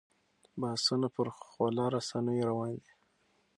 بحثونه پر خواله رسنیو روان دي.